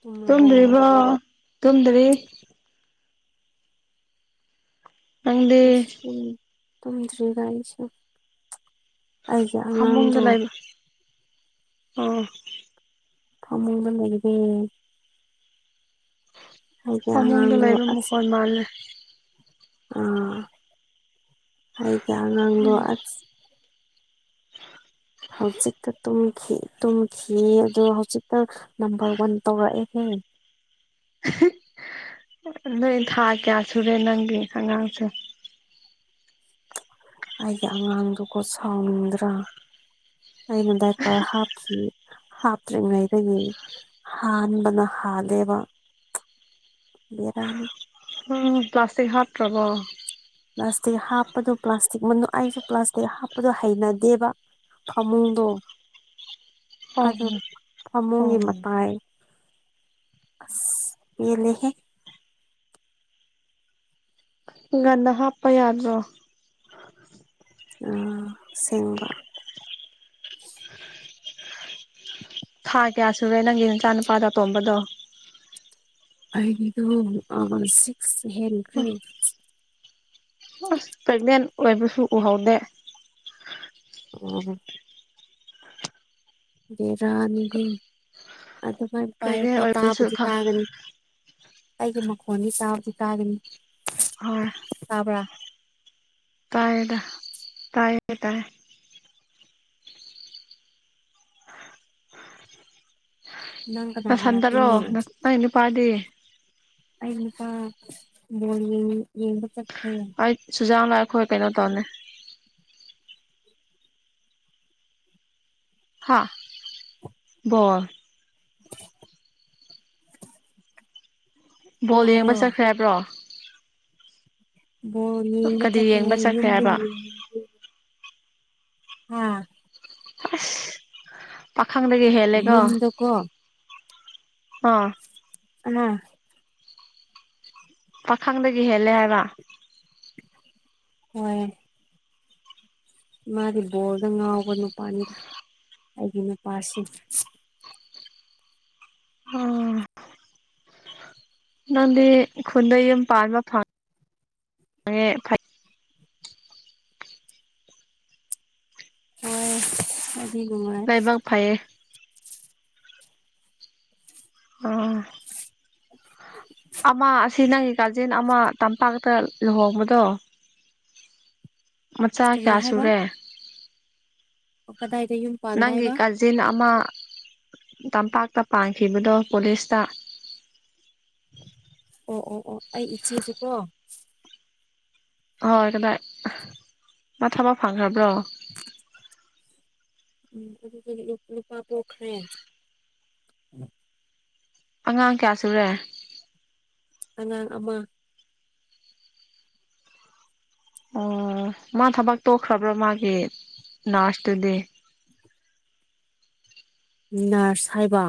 ꯇꯨꯝꯔꯕꯣ ꯊꯨꯝꯗ꯭ꯔꯤ ꯋꯥ ꯇꯨꯝꯗꯔꯤꯔꯤ ꯅꯪꯗꯤ ꯇꯝ ꯊꯔꯤꯒꯏꯁ ꯑꯩꯒꯤ ꯑꯉꯥꯡꯗꯨ ꯑꯥ ꯐꯃꯨꯗ ꯂꯩꯗ ꯍꯥꯏ ꯐꯃꯨꯡꯗ ꯅꯥꯡꯣ ꯂꯩꯕ ꯃꯈꯣꯟ ꯃꯥꯜꯂꯦ ꯑ ꯍꯥꯏꯗ ꯑꯉꯥꯡꯗꯣ ꯎꯝ ꯍꯧꯖꯤꯛꯇ ꯇꯨꯝꯈꯤ ꯑꯗꯣ ꯍꯧꯖꯤꯛꯇ ꯅꯝꯕꯔ ꯋꯥꯟ ꯇꯧꯔꯛꯑꯦꯍꯦ ꯅꯣꯏ ꯊꯥ ꯀꯌꯥ ꯁꯨꯔꯦ ꯅꯪꯒꯤ ꯑꯉꯥꯡꯁꯦ ꯑꯩꯒꯤ ꯑꯉꯥꯡꯗꯨꯀ ꯁꯥꯎꯅꯤꯡꯗ꯭ꯔꯥ ꯑꯩꯅꯗꯥꯏ ꯄꯔ ꯍꯥꯞꯈꯤ ꯍꯥꯞꯇ꯭ꯔꯤꯉꯩꯗꯒꯤ ꯍꯥꯟꯕꯅ ꯍꯥꯗꯦꯕ ꯕꯔꯥꯃꯤ ꯄ꯭ꯂꯥꯁꯤ ꯍꯥꯠ ꯔꯔꯕ ꯄ꯭ꯂꯥꯁꯇꯤꯛ ꯍꯥꯞꯄꯗꯣ ꯄ꯭ꯂꯥꯁꯇꯤꯛ ꯃꯅꯨꯡ ꯑꯩꯁꯨ ꯄ꯭ꯂꯥꯁꯇꯤꯛ ꯍꯥꯞꯄꯗꯨꯣ ꯍꯩꯅꯗꯦꯕ ꯐꯃꯨꯡꯗꯣ ꯑꯣ ꯑꯗꯨ ꯑꯣ ꯐꯃꯨꯡꯒꯤ ꯃꯇꯥꯏ ꯑ ꯌꯦꯂꯍꯦ ꯉꯗ ꯍꯥꯞꯄ ꯌꯥꯗ꯭ꯔꯣ ꯎ ꯁꯦꯡꯕ ꯊꯥ ꯀꯌꯥ ꯁꯨꯔꯦ ꯅꯪꯒꯤ ꯅꯆꯥꯅꯨꯄꯥꯗꯣ ꯑꯇꯣꯝꯕꯗꯣ ꯑꯩꯒꯤꯗꯣ ꯁꯤꯛꯁ ꯍꯦꯟꯈ꯭ꯔꯦ ꯑꯁ ꯄ꯭ꯔꯦꯒꯅꯦꯟ ꯑꯣꯏꯕꯁꯨ ꯎꯍꯧꯗꯦ ꯎ ꯔ ꯔꯥꯅꯤꯍꯦ ꯑꯗꯨꯃꯥꯏ ꯄ꯭ꯔꯦꯒꯅꯦꯟ ꯄꯌꯣꯐꯣ ꯑꯣꯏꯕꯁꯨ ꯇꯥꯕꯨꯗꯤ ꯈ ꯇꯥꯒꯅꯤ ꯑꯩꯒꯤ ꯃꯈꯣꯟꯗꯤ ꯆꯥꯕꯗꯤ ꯇꯥꯔꯤꯅꯤ ꯍꯣꯏ ꯇꯗ ꯇꯌꯦ ꯇꯥꯏ ꯅꯪ ꯀꯅꯥ ꯅ ꯀꯅꯥ ꯁꯥꯟꯗꯔꯣ ꯇꯨꯝꯃꯤ ꯅꯥꯛ ꯏꯅꯤ ꯄꯗꯤ ꯑꯄꯥ ꯃꯣꯜ ꯌꯦ ꯌꯦꯡꯕ ꯆꯈ꯭ꯔꯦ ꯈꯣꯏ ꯄꯅꯣ ꯇꯅꯅꯦ ꯍꯥ [inaudible] ꯕꯣꯜ ꯇꯥꯕ꯭ꯔꯣ ꯌꯦꯡꯕ ꯆꯠꯈ꯭ꯔꯦ ꯍꯥꯏꯕ꯭ꯔꯣ ꯕꯜꯣ ꯌꯦꯡꯕ ꯀꯔꯤ ꯆꯠꯀꯦ ꯆꯠꯈ꯭ꯔꯦ ꯍꯥꯏꯕ ꯌꯨꯝꯗꯒꯤ ꯑꯥ ꯑꯁ ꯄꯈꯪꯗꯒꯤꯗꯒꯤ ꯍꯦꯜꯂꯦ ꯀꯣ ꯌꯨꯝꯗꯀꯣ ꯑꯥ ꯑ ꯄꯥꯈꯪꯗꯒꯤ ꯍꯦꯜꯂꯦ ꯍꯥꯏꯕ ꯍꯣꯏ ꯃꯥꯗꯤ ꯕꯣꯜꯗ ꯉꯥꯎꯕ ꯅꯨꯄꯥꯅꯤꯗ ꯑꯩꯒꯤ ꯅꯨꯄꯥꯁꯤ ꯑꯥ ꯅꯪꯗꯤ ꯈꯨꯟꯗꯩ ꯌꯨꯝ ꯄꯥꯟꯕ ꯐꯪꯉꯦꯉꯦ ꯐꯩ [inaudible] ꯍꯣꯏ ꯑꯗꯨꯒꯉꯦ ꯂꯥꯏꯕꯛ ꯐꯩꯌꯦ ꯑꯣ ꯑ ꯁꯤ ꯅꯪꯒꯤ ꯒꯥꯔꯖꯤꯦꯟ ꯑꯃ ꯇꯝꯄꯥꯛꯇ ꯂꯨꯍꯣꯡꯕꯗꯣ ꯃꯆꯥ ꯀꯔꯤ ꯀꯌꯥ ꯍꯥꯏꯕ ꯁꯨꯔꯦ ꯀꯗꯥꯏꯗ ꯌꯨꯝ ꯄꯥꯟꯕ ꯅꯪꯒꯤ ꯍꯥꯏꯕ ꯀꯥꯖꯤꯟ ꯑꯃ ꯇꯝꯄꯥꯛꯇ ꯄꯥꯡꯈꯤꯕꯗꯣ ꯀꯣꯂꯤꯁꯇ ꯑꯣ ꯑꯣ ꯑꯣ ꯑꯩ ꯏꯆꯦꯗꯨꯀꯣ ꯍꯣꯏ ꯀꯗꯥꯏ ꯃꯥ ꯊꯕꯛ ꯐꯪꯈ꯭ꯔꯕ꯭ꯔꯣ ꯎꯝ ꯑꯗꯨ ꯅꯨꯄꯥ ꯄꯣꯛꯈ꯭ꯔꯦ ꯑꯉꯥꯡ ꯀꯌꯥ ꯁꯨꯔꯦ ꯑꯅꯥ ꯑꯃ ꯑꯣ ꯃꯥ ꯊꯕꯛ ꯇꯣꯛꯈ꯭ꯔꯕ꯭ꯔꯣ ꯃꯥꯒꯤ ꯅꯔꯁꯇꯨꯗꯤ [inaudible] ꯅꯔꯁ ꯍꯥꯏꯕ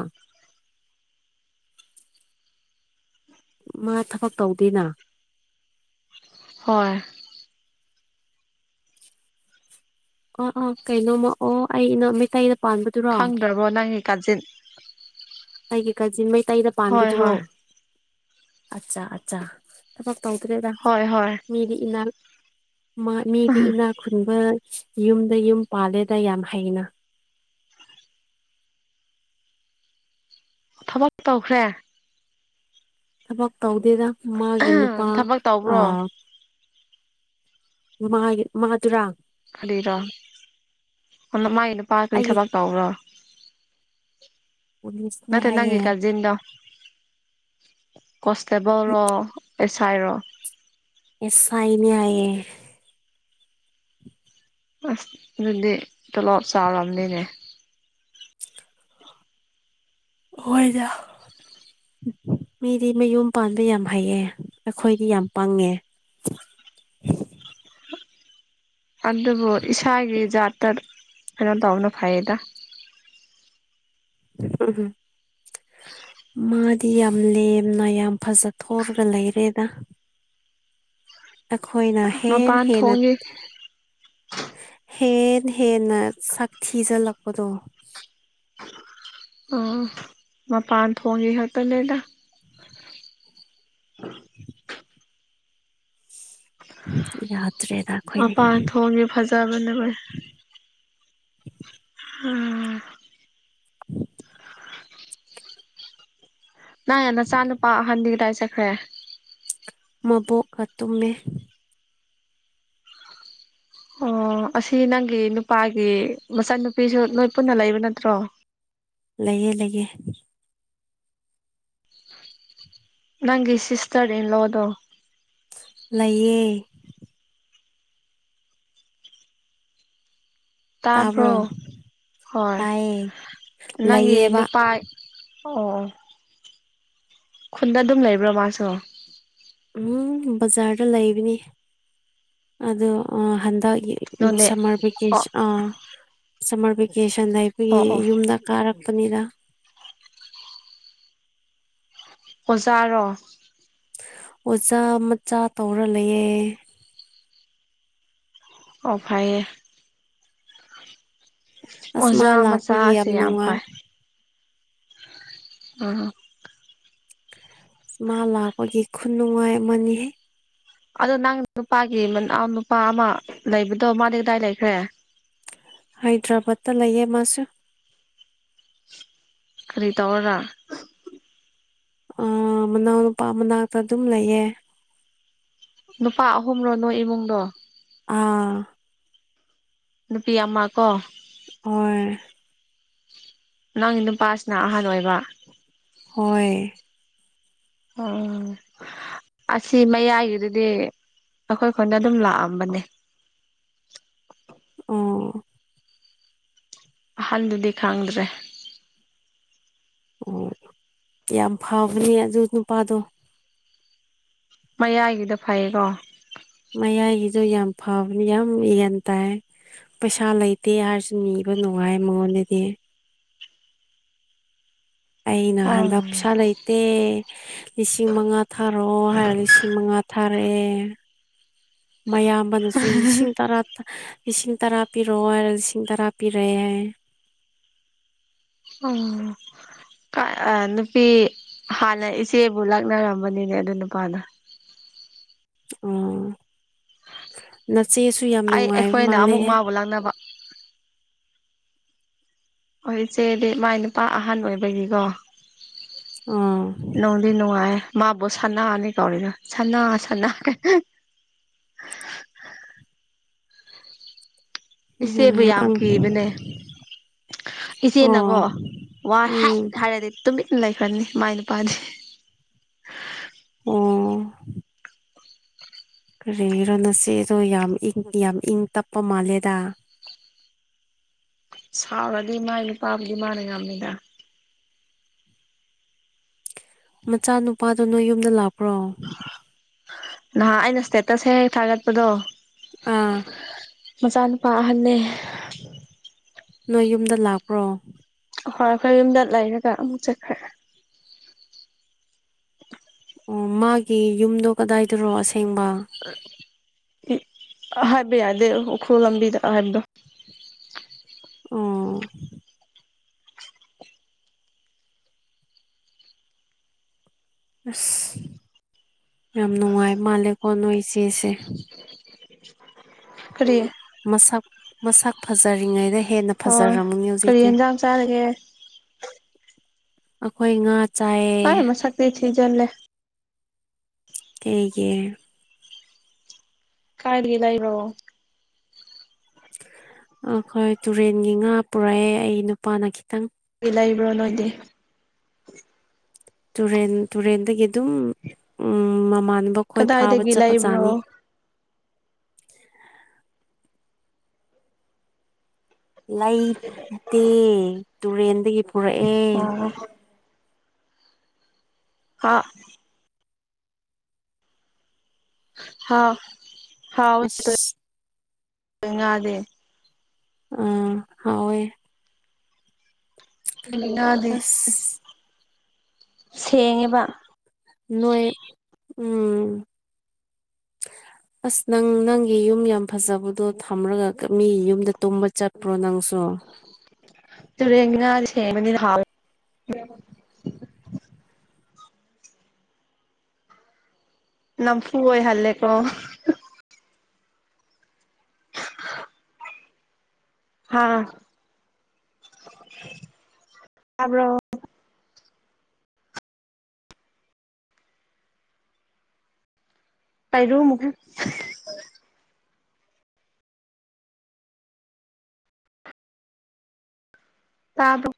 ꯃꯥ ꯊꯕꯛ ꯇꯧꯗꯦꯅ ꯍꯣꯏ ꯑ ꯑ ꯀꯩꯅꯩꯅꯣꯃ ꯑꯣ ꯑꯩ ꯅ ꯃ ꯀ ꯈꯪꯗ꯭ꯔꯕꯣ ꯅꯪꯒꯤ ꯀꯥꯖꯤꯟ ꯑꯩꯒꯤ ꯀꯥꯖꯤꯟ ꯃꯩꯇꯩꯗ ꯍꯣꯏ ꯄꯥꯟꯕꯗꯨꯔꯣ ꯍꯣꯏ ꯑꯠꯆꯥ ꯑꯠ ꯊ ꯇꯧꯗ꯭ꯔꯦꯗ ꯍꯣꯏ ꯍꯣꯏ ꯃꯤꯗꯤ ꯏꯅꯥꯛ ꯃꯤꯗꯤ ꯏꯅꯥ ꯈꯨꯟꯕ ꯌꯨꯝꯗ ꯌꯨꯝ ꯄꯥꯜꯂꯦꯗ ꯌꯥꯝ ꯍꯩꯅ ꯊꯕꯛ ꯇꯧꯈ꯭ꯔꯦ ꯊꯕꯛ ꯇꯧꯗꯦꯗ ꯃꯥꯒꯤ ꯅꯨꯄꯥ ꯊꯕꯛ ꯑ ꯇꯧꯕ꯭ꯔꯣ ꯃꯥꯒꯤ ꯃꯥꯗꯨꯔꯥ ꯀꯔꯤꯔꯣ ꯃꯥꯒꯤ ꯅꯨꯄꯥ ꯀꯔꯤ ꯑꯩꯒꯤ ꯊꯕꯛ ꯇꯧꯔꯣ ꯄꯨꯂꯤꯁꯅꯤ ꯃ ꯅꯪ ꯍꯥꯏꯌꯦ ꯂꯤ ꯀꯥꯖꯟꯗꯣ ꯀꯣꯟꯁꯇꯦꯕꯜ ꯔ ꯑꯦꯁꯥꯏ ꯔ ꯑꯦꯁꯥꯏꯅꯤ ꯍꯥꯏꯌꯦꯌꯦꯦ ꯑꯁ ꯑꯗꯨꯗꯤ ꯇꯣꯂꯣꯞ ꯆꯥꯎꯔꯕꯔꯕꯅꯤꯅꯦ ꯑꯣꯏꯣꯏꯗ ꯃꯤꯗꯤ ꯃꯌꯨꯝ ꯄꯥꯟꯕ ꯌꯥꯝ ꯍꯩꯑ ꯑꯩꯈꯣꯏꯗꯤ ꯌꯥꯝ ꯄꯪꯉꯦ ꯎ ꯑꯗꯨꯕꯨ ꯏꯁꯥꯒꯤ ꯖꯥꯠꯇ ꯀꯩꯅꯣ ꯇꯧꯕꯅ ꯐꯩꯌꯦꯗ ꯎꯝ ꯍꯝ ꯃꯥꯗꯤ ꯌꯥꯝ ꯂꯦꯝꯅ ꯌꯥꯝ ꯐꯖꯊꯣꯔꯒ ꯂꯩꯔꯦꯗ ꯑꯩꯈꯣꯏꯅ ꯍꯦ ꯃꯄꯥꯟ ꯍꯦꯟꯅ ꯊꯣꯡꯒꯤ ꯍꯦ ꯍꯦꯟꯅ ꯁꯛ ꯊꯤꯖꯜꯂꯛꯄꯗꯣ ꯑꯣ ꯃ ꯄꯥꯟꯊ ꯐꯣꯡꯒꯤ ꯍꯥꯇꯣ ꯂꯩꯦꯗ ꯌꯥ ꯃꯄꯥꯟ ꯊꯣꯡꯒꯤꯦ ꯐꯖꯕꯅ ꯎꯝ ꯅ ꯌꯥꯝ ꯅꯆꯥ ꯅꯨꯨꯄꯥ ꯑꯍꯟꯗꯤ ꯀꯗꯥꯏ ꯆꯠꯈ꯭ꯔꯦ ꯃꯕꯣꯛꯇꯨꯝꯃꯦ ꯑꯣ ꯑꯁꯤ ꯅꯪꯒꯤ ꯅꯨꯄꯥꯒꯤ ꯃꯆꯟꯅꯨꯄꯤꯁꯨ ꯅꯣꯏ ꯄꯨꯟꯅ ꯂꯩꯕ ꯅꯠꯇ꯭ꯔꯣ ꯂꯩꯌꯦꯦ ꯂꯩꯒꯦ ꯅꯪꯒꯤ ꯁꯁꯇꯔ ꯏꯟ ꯂꯣꯗ ꯂꯩꯌꯦ ꯇꯥꯕ꯭ꯔꯣ ꯍꯣꯏ ꯇꯥꯏꯌꯦ ꯅꯪꯒꯤ ꯂꯩꯌꯦꯕ ꯅꯨꯄꯥ ꯑꯣ ꯈꯨꯟꯗ ꯑꯗꯨꯝ ꯂꯩꯕ꯭ꯔꯣ ꯃꯥꯁꯨ ꯎꯝ ꯕꯖꯥꯔꯗ ꯂꯩꯕꯅꯤ ꯑ ꯍꯟꯗꯛ ꯅꯣꯅꯦ ꯁꯝꯃꯔ ꯑꯣ ꯚꯦꯀꯦꯁꯟ ꯑ ꯁꯝꯃꯔ ꯚꯦꯀꯦꯁꯟꯗ ꯑꯩꯈꯣꯏꯒꯤ ꯑꯣ ꯑꯣ ꯌꯨꯝꯗ ꯀꯥꯔꯛ ꯐꯗ ꯑꯣꯖꯥꯣ ꯑꯣꯖꯥ ꯃꯆꯥ ꯇꯧꯔ ꯂꯩꯌꯦꯦ ꯑꯣꯐꯥꯏꯦ ꯑꯁ ꯃꯥ ꯑꯣꯖꯥ ꯂꯥꯛꯄꯒꯤ ꯃꯆꯥꯁꯤꯦ ꯌꯥꯝ ꯅꯨꯡꯉꯥꯏ ꯐꯩ ꯑ ꯃꯥ ꯂꯥꯛꯄꯒꯤ ꯈꯨ ꯅꯨꯡꯉꯥꯏ ꯑꯃꯅꯤꯍꯦ ꯑꯗꯣ ꯅꯪ ꯅꯨꯄꯥꯒꯤ ꯃ ꯅꯨꯄꯥ ꯑꯃ ꯂꯩꯕꯗꯣ ꯃꯥꯗꯤ ꯀꯗꯥꯏ ꯂꯩꯈ꯭ꯔꯦ ꯍꯥꯏꯗ꯭ꯔꯕꯥꯗꯇ ꯂꯩꯌꯦ ꯃꯥꯁ ꯈꯔꯤ ꯇꯧ꯭ꯔꯥ ꯑ ꯃꯅꯥꯎꯅ ꯅꯨꯄꯥ ꯃꯅꯥꯛꯇ ꯑꯗꯨꯝ ꯂꯩꯌꯦ ꯅꯨꯄꯥ ꯑꯍꯨꯝꯔꯣ ꯅꯣꯏ ꯏꯃꯨꯡꯗꯣ ꯑꯥ ꯅꯨꯄꯤ ꯑꯃ ꯀꯣ ꯍ ꯅꯪꯒꯤ ꯅꯨꯄꯥꯁꯤꯅ ꯑꯍꯥꯟꯕ ꯑꯣꯏꯕ ꯍꯣꯏ ꯑꯣ ꯑꯁꯤ ꯃꯌꯥꯏꯒꯤꯗꯨꯗꯤ ꯑꯩꯈꯣꯏ ꯈꯣꯟꯗ ꯑꯗꯨꯝ ꯂꯥꯛꯑꯝꯕꯅꯦ ꯑꯣ ꯍꯜꯗꯨꯗꯤ ꯈꯥꯡꯪꯗ꯭ꯔꯦ ꯑꯣ ꯌꯥꯝ ꯐꯕꯅꯦ ꯑꯗꯨ ꯅꯨꯄꯥꯗꯣ ꯃꯌꯥꯏꯒꯤꯗ ꯐꯩꯀꯣ ꯃꯌꯥꯏꯒꯤꯗꯣ ꯌꯥꯝ ꯐꯕꯅꯤ ꯌꯥꯝ ꯌꯦꯟ ꯇꯥꯏ ꯄꯩꯁꯥ ꯂꯩꯇꯦ ꯍꯥꯏꯔꯁꯨ ꯕ ꯅꯨꯡꯉꯥꯏ ꯃꯑꯣꯅꯦꯗꯤ ꯑꯩꯅ ꯑꯣ ꯍꯟꯗꯛ ꯄꯁꯥ ꯂꯩꯇꯦ ꯂꯤꯁꯤꯡ ꯃꯉꯥ ꯊꯥꯔꯣꯑꯣ ꯍꯥꯏꯔꯒ ꯂꯤꯁꯤꯡ ꯃꯉꯥ ꯊꯥꯔꯛꯑꯦ ꯃꯌꯥꯝꯕꯅꯁꯨ ꯂꯤꯁꯤꯡ ꯇꯔꯥ ꯂꯤꯁꯤꯡ ꯇꯔꯥ ꯄꯤꯔꯛꯑꯣ ꯂꯤꯁꯤꯡ ꯇꯔꯥ ꯄꯤꯔꯦ ꯍꯥꯏ ꯑꯣ ꯑ ꯅꯨꯄꯤ ꯍꯥꯟꯅ ꯏꯆꯦꯕꯨ ꯂꯥꯛꯅꯔꯝꯕꯅꯤꯅꯦ ꯑꯗꯨ ꯅꯨꯄꯥꯅ ꯎꯝ ꯅꯆꯦꯁꯨ ꯌꯥꯝ ꯑꯩ ꯅꯨꯡꯉꯥꯏꯕ ꯑꯩꯈꯣꯏꯅ ꯑꯃꯨꯛ ꯃꯥꯜꯂꯦꯍꯦ ꯃꯥꯕꯨ ꯂꯥꯛꯅꯕ ꯍꯣꯏ ꯏꯆꯦꯗꯤ ꯃꯥꯏ ꯅꯨꯄꯥ ꯑꯍꯟ ꯑꯣꯏꯕꯒꯤꯀꯣ ꯑꯥ ꯅꯣꯡꯗꯤꯅꯅꯨꯡꯉꯌꯦ ꯃꯥꯕꯨ ꯁꯥꯟꯅꯥꯉꯅꯦ ꯀꯥꯎꯔꯤꯅ ꯁꯥꯟꯅ ꯁꯥꯟꯅꯔꯦ [unintelligible] ꯏꯆꯦꯕꯨ ꯌꯥꯝ ꯑꯪ ꯀꯤꯕꯅꯦ ꯏꯆꯦꯅꯀꯣ ꯑꯣ ꯋꯥ ꯎꯝ ꯍꯥꯏꯔꯗꯤ ꯂꯥꯏꯐꯅꯤ ꯃꯥꯏ ꯅꯨꯄꯥꯅꯤ ꯀꯦ ꯏꯔꯣ ꯅꯆꯦꯗꯣ ꯌꯥꯝ ꯏꯪ ꯌꯥꯝ ꯏꯪ ꯇꯞꯄ ꯃꯥꯜꯂꯦꯗ ꯁꯥꯎꯔꯗꯤ ꯃꯥꯏ ꯅꯨꯄꯥꯕꯨꯗꯤ ꯃꯥꯅ ꯉꯃꯤꯗ ꯃꯆꯥꯅꯨꯄꯥꯗꯨꯣ ꯅꯣꯏ ꯌꯨꯝꯗ ꯂꯥꯛꯄ꯭ꯔꯣ ꯅꯍꯥꯛ ꯑꯩꯅ ꯏꯁꯇꯦꯇꯁ ꯍꯦꯛ ꯍꯦꯛ ꯊꯥꯒꯠꯄꯗꯣ ꯑꯥ ꯃꯆꯥꯅꯨꯄꯥꯍꯜꯂꯦ ꯅꯣꯏ ꯌꯨꯝꯗ ꯂꯥꯛꯄ꯭ꯔꯣ ꯍꯣꯏ ꯑꯩꯈꯣꯏ ꯌꯨꯝꯗ ꯂꯩꯔꯒ ꯑꯃꯨꯛ ꯆꯠꯈ꯭ꯔꯦ ꯑꯣ ꯃꯥꯒꯤ ꯌꯨꯝꯗꯣ ꯀꯗꯥꯏꯗꯔꯣꯁꯦ ꯍꯥꯏ ꯍꯥꯏꯕ ꯌꯥꯗꯦ ꯎꯈ꯭ꯔꯨꯜ ꯂꯝꯕꯤꯗ ꯍꯥꯏꯕꯗꯣ ꯑꯣ ꯑꯁ ꯌꯥꯝ ꯅꯨꯡꯉꯥꯏ ꯃꯥꯜꯂꯦꯀꯣ ꯅꯣꯏ ꯏꯆꯦꯁꯦ ꯄ ꯀꯔꯤ ꯃꯁꯛ ꯃꯁꯛ ꯐꯖꯔꯤꯉꯩꯗꯩ ꯍꯦꯟꯅ ꯍꯣꯏ ꯐꯖꯔꯝꯃꯅꯤ ꯀꯔꯤ ꯍꯧꯖꯤꯛꯁꯦ ꯌꯦꯟꯖꯥꯡ ꯆꯥꯔꯒꯦ ꯑꯩꯈꯣꯏ ꯉꯥ ꯆꯥꯏꯌꯦ ꯇꯥꯏ ꯃ ꯆꯀ꯭ꯔꯤ ꯊꯖꯠꯂꯦ ꯑꯩꯦꯡꯒꯤ ꯀꯥꯏꯒꯤ ꯂꯏꯕꯕꯣ ꯑꯩꯈꯣꯏ ꯇꯨꯔꯦꯟꯒꯤ ꯉꯥ ꯄꯨꯔꯛꯑꯦ ꯑꯩ ꯅꯨꯄꯥꯅ ꯈꯤꯇꯪ ꯂꯩꯕ꯭ꯔꯣ ꯅꯣꯏꯗꯤ ꯇꯨꯔꯦꯟ ꯇꯨꯔꯦꯟꯗꯒꯤ ꯑꯗꯨꯝ ꯎꯝ ꯃꯃꯥ ꯃꯈꯣꯏ ꯐꯥꯕ ꯀꯗꯥꯏꯗꯒꯤ ꯆꯠꯄ ꯂꯩꯕ꯭ꯔꯣ ꯆꯥꯅꯤ ꯂꯩꯇꯦ ꯇꯨꯔꯦꯟꯗꯒꯤ ꯄꯨꯔꯛꯑꯦ ꯑꯣ ꯍꯥꯥ ꯍꯥꯥꯎ ꯑ ꯆꯉꯗꯦ ꯑꯥ ꯍꯑꯣꯦ ꯎ ꯑꯗꯨꯦ ꯑꯁ ꯁꯦꯡꯉꯦꯕ ꯅꯣꯏ ꯎꯝ ꯑꯁ ꯅꯪ ꯅꯪꯒꯤ ꯌꯨꯝ ꯌꯥꯝ ꯐꯖꯕꯗꯣ ꯊꯝꯂꯒ ꯃꯤ ꯌꯨꯝꯗ ꯇꯨꯝꯕ ꯆꯠꯄ꯭ꯔꯣ ꯅꯪ ꯠꯇ ꯆꯔꯃꯅꯤ ꯅ ꯐꯨꯕ ꯑꯣꯏ ꯍꯥꯏꯜꯂꯦꯀꯣ ꯍꯥꯥ꯭ꯔꯣ ꯄꯥꯏꯔ ꯃꯈꯦ ꯇꯥꯕ